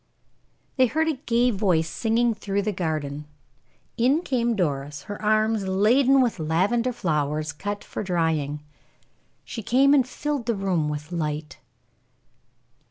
They heard a gay voice singing through the garden. In came Doris, her arms laden with lavender flowers cut for drying. She came, and filled the room with light.